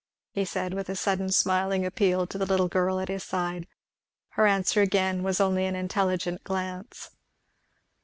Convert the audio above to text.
he said, with a sudden smiling appeal to the little girl at his side. Her answer again was only an intelligent glance.